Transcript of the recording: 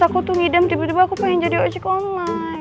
aku tuh ngidam tiba tiba aku pengen jadi ojek online